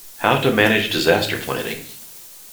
How to manage disaster planning?